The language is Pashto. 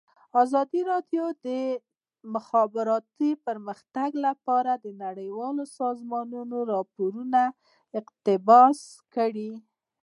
ازادي راډیو د د مخابراتو پرمختګ په اړه د نړیوالو سازمانونو راپورونه اقتباس کړي.